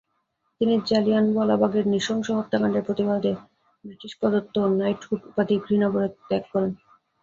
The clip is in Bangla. তিনি জালিয়ানওয়ালাবাগের নৃশংস হত্যাকাণ্ডের প্রতিবাদে বৃটিশপ্রদত্ত নাইটহুড উপাধি ঘৃণাভরে ত্যাগ করেন।